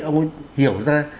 ông ấy hiểu ra